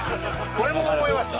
俺もそう思いました。